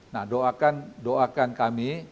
nah doakan kami